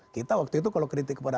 kita waktu itu kalau kritik kepada